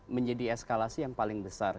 menjadi eskalasi yang paling besar